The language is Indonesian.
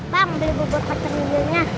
bang beli bubur pacar nidilnya